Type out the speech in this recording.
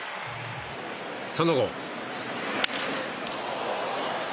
その後。